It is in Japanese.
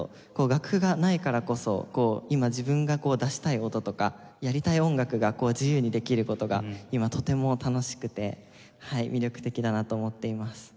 楽譜がないからこそこう今自分が出したい音とかやりたい音楽が自由にできる事が今とても楽しくて魅力的だなと思っています。